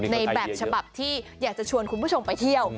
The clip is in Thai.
ในแบบฉบับที่อยากจะชวนคุณผู้ชมไปเที่ยว